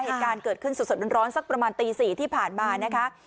เหตุการณ์เกิดขึ้นสดร้อนสักประมาณตี๔ที่ผ่านมานะคะ